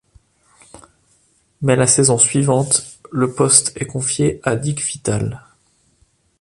Mais la saison suivante, le poste est confié à Dick Vitale.